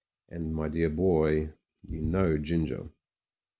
And, my dear old boy, you know Ginger